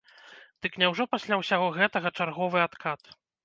Дык няўжо пасля ўсяго гэтага чарговы адкат?